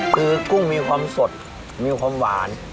คือกุ้งมีความสดมีความหวาน